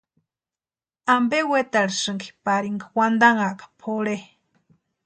¿Ampe wetarhisïnki parika wantanhaka pʼorhe?